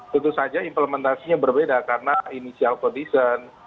tentu saja implementasinya berbeda karena inisial codicent